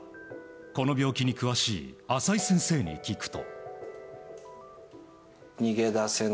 この病気に詳しい浅井先生に聞くと。